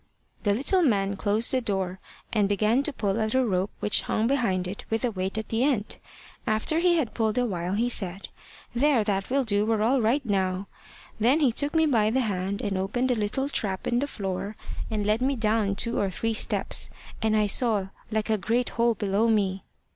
The little man closed the door, and began to pull at a rope which hung behind it with a weight at the end. After he had pulled a while, he said `There, that will do; we're all right now.' Then he took me by the hand and opened a little trap in the floor, and led me down two or three steps, and I saw like a great hole below me.